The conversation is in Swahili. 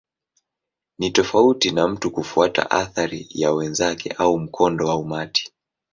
Ni tofauti na mtu kufuata athari ya wenzake au mkondo wa umati.